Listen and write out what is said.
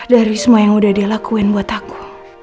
dari semua yang udah dia lakuin buat aku